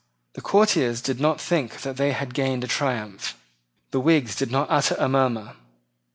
The courtiers did not think that they had gained a triumph. The Whigs did not utter a murmur.